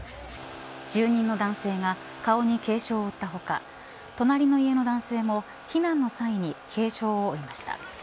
住人の男性が顔に軽傷を負った他隣の家の男性も避難の際に軽傷を負いました。